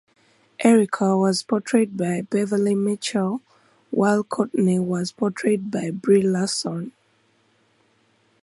Erica was portrayed by Beverley Mitchell, while Courtney was portrayed by Brie Larson.